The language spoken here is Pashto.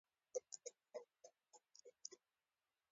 دا تمه مه لرئ چې دوست مو یو ښه شخص واوسي.